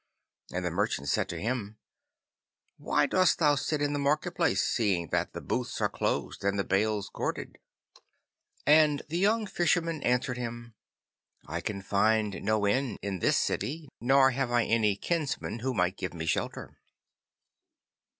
And the merchant said to him, 'Why dost thou sit in the market place, seeing that the booths are closed and the bales corded?' And the young Fisherman answered him, 'I can find no inn in this city, nor have I any kinsman who might give me shelter.